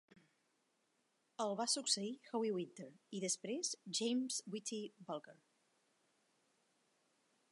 El va succeir Howie Winter i després, James "Whitey" Bulger.